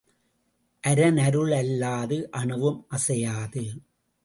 அரன் அருள் அல்லாது அணுவும் அசையாது.